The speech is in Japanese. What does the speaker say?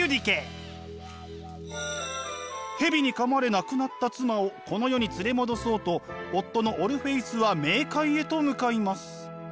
蛇に噛まれ亡くなった妻をこの世に連れ戻そうと夫のオルフェウスは冥界へと向かいます。